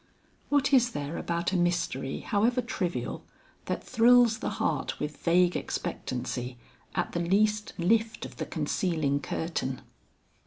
What is there about a mystery however trivial, that thrills the heart with vague expectancy at the least lift of the concealing curtain!